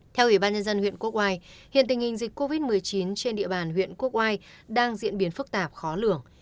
theo ủy ban nhân dân huyện quốc oai hiện tình hình dịch covid một mươi chín trên địa bàn huyện quốc oai đang diễn biến phức tạp khó lường